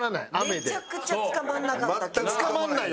めちゃくちゃつかまんなかった今日は。